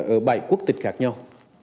ở bảy quốc tịch khác nhau